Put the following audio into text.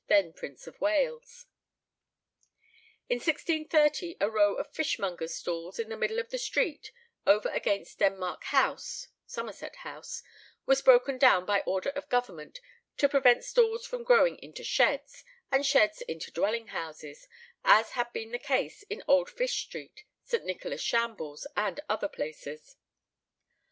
when Prince of Wales. In 1630, a row of fishmongers' stalls, in the middle of the street, over against Denmark House (Somerset House), was broken down by order of Government to prevent stalls from growing into sheds, and sheds into dwelling houses, as had been the case in Old Fish Street, Saint Nicholas Shambles, and other places.